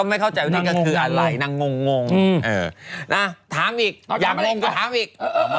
ถามอีกอยากมาเน้นก็ถามอีก